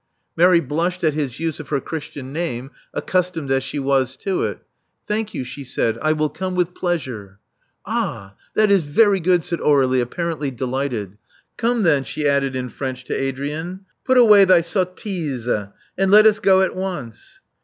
Mary blushed at his use of her Christian name, accustomed as she was to it. "Thank you," she said. "I will come with pleasure." "Ah, that is very good," said Aur^lie, apparently dcli<;htcd. "Come then," she added in French to Adrian. "Put away thy sottises; and let us go at once.